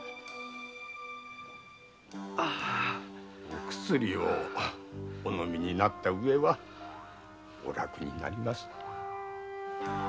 お薬をお飲みになった上はお楽になります。